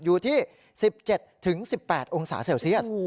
อยู่ที่๑๗๑๘องศาเซลเซียส